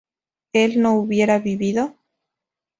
¿él no hubiera vivido?